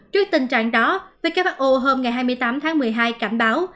trước tình trạng đó who hôm ngày hai mươi tám tháng một mươi hai cảnh báo